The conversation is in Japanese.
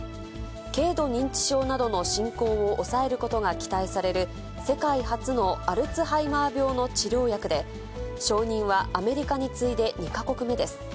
軽度認知症などの進行を抑えることが期待される、世界初のアルツハイマー病の治療薬で、承認はアメリカに次いで２か国目です。